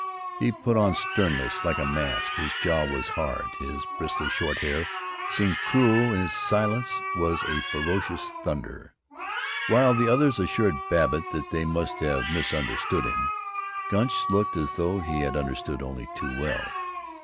He put on sternness like a mask; his jaw was hard, his bristly short hair seemed cruel, his silence was a ferocious thunder. While the others assured Babbitt that they must have misunderstood him, Gunch looked as though he had understood only too well.